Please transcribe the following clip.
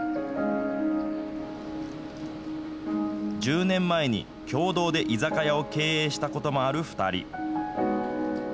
１０年前に共同で居酒屋を経営したこともある２人。